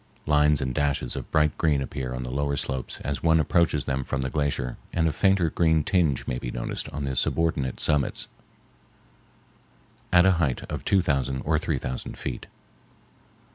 Lines and dashes of bright green appear on the lower slopes as one approaches them from the glacier, and a fainter green tinge may be noticed on the subordinate summits at a height of two thousand or three thousand feet.